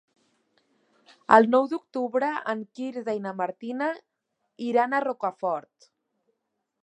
El nou d'octubre en Quirze i na Martina iran a Rocafort.